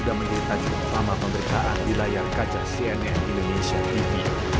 sudah menjadi tajuk utama pemberitaan di layar kaca cnn indonesia tv